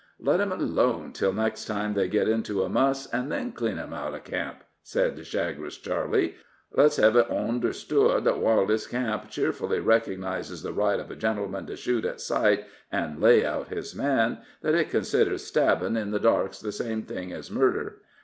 "Let 'em alone till next time they git into a muss, an' then clean 'em all out of camp," said Chagres Charley. "Let's hev it onderstood that while this camp cheerfully recognizes the right of a gentleman to shoot at sight an' lay out his man, that it considers stabbin' in the dark's the same thing as murder.